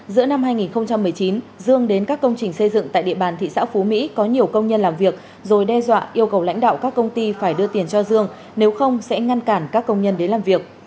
giữa năm hai nghìn một mươi chín dương đến các công trình xây dựng tại địa bàn thị xã phú mỹ có nhiều công nhân làm việc rồi đe dọa yêu cầu lãnh đạo các công ty phải đưa tiền cho dương nếu không sẽ ngăn cản các công nhân đến làm việc